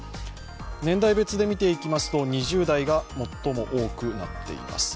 年代別で見ていきますと２０代が最も多くなっています。